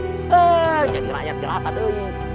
eh jadi rakyat gelap aduh